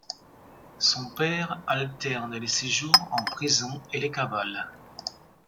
Son père alterne les séjours en prison et les cavales.